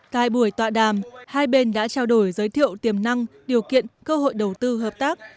tại buổi tọa đàm hai bên đã trao đổi giới thiệu tiềm năng điều kiện cơ hội đầu tư hợp tác